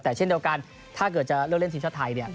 แต่เช่นเดียวกันถ้าเกิดจะเลือกเล่นทีมชาติไทยเนี่ย